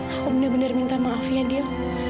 aku bener bener minta maaf ya dio